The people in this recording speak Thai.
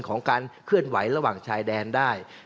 ของการเคลื่อนไหวระหว่างชายแดนได้